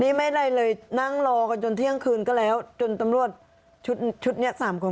นี่ไม่ได้เลยนั่งรอกันจนเที่ยงคืนก็แล้วจนตำรวจชุดชุดนี้สามคน